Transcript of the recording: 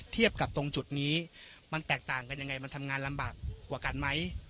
เทียบกับตรงจุดนี้มันแตกต่างกันยังไงมันทำงานลำบากกว่ากันไหม